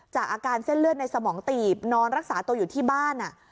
อาการเส้นเลือดในสมองตีบนอนรักษาตัวอยู่ที่บ้าน